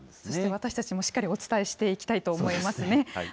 そして私たちもしっかりお伝えしていきたいと思いますね。